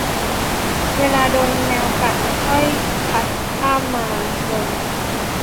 เวลาโดนแมวกัดค่อยคัดภาพมาลง ?